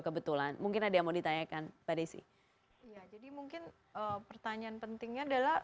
kebetulan mungkin ada yang mau ditanyakan pada sih jadi mungkin pertanyaan pentingnya adalah